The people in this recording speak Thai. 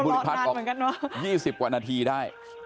โหเรารอนานเหมือนกันว่ะคุณบุริษัทออก๒๐กว่านาทีได้